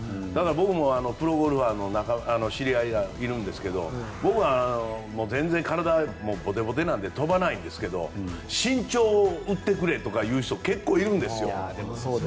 僕もプロゴルファーの知り合いがいるんですが僕は、全然体もぼてぼてなので飛ばないんですけど身長を売ってくれとかいう人結構いるんですよ。